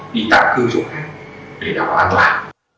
đi tạm cư chỗ khác để đọc bản đoán